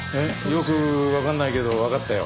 よくわかんないけどわかったよ。